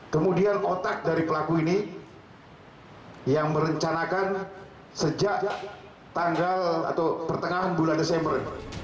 kemudian otak dari pelaku ini yang merencanakan sejak tanggal atau pertengahan bulan desember